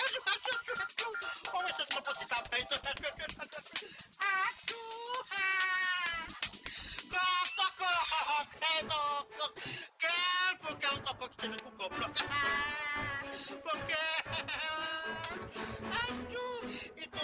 sekarang saatnya kau kembalikanlah energi anak anak itu